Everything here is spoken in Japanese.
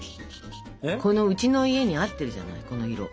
このうちの家に合ってるじゃないこの色。